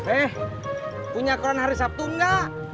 eh punya koran hari sabtu enggak